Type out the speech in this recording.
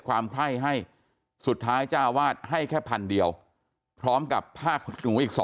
ความไคร้ให้สุดท้ายเจ้าวาดให้แค่พันเดียวพร้อมกับผ้าขนหนูอีก๒